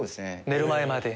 「寝る前まで」